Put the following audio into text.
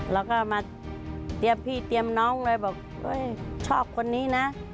แล้วก็มาเตรียมพี่เตรียมน้องเลยบอกชอบคนนี้นะ